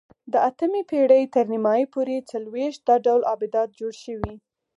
د اتمې پېړۍ تر نیمایي پورې څلوېښت دا ډول آبدات جوړ شوي